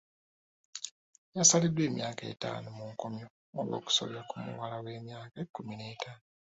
Yasaliddwa emyaka etaano mu nkomyo olw'okusobya ku muwala w'emyaka ekkumi n'etaano.